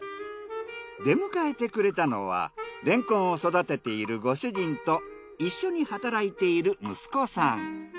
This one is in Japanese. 出迎えてくれたのはレンコンを育てているご主人と一緒に働いている息子さん。